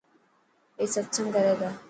اي ستسنگ ڪري تا.